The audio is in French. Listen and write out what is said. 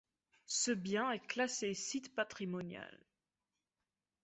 Ce bien est classé site patrimonial.